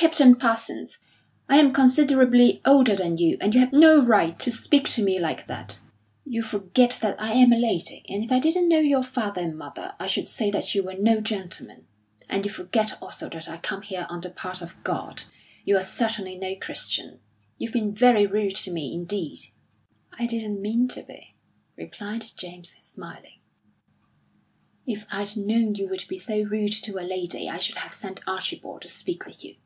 "Captain Parsons, I am considerably older than you, and you have no right to speak to me like that. You forget that I am a lady; and if I didn't know your father and mother, I should say that you were no gentleman. And you forget also that I come here on the part of God. You are certainly no Christian. You've been very rude to me, indeed." "I didn't mean to be," replied James, smiling. "If I'd known you would be so rude to a lady, I should have sent Archibald to speak with you."